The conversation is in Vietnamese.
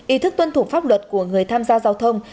ý thức tuân thủ pháp luật của người tham gia giao thông